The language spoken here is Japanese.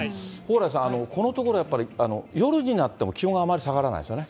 蓬莱さん、このところ、やっぱり夜になっても気温があまり下がらないですよね。